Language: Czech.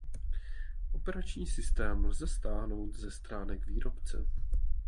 Operační systém lze stáhnout ze stránek výrobce.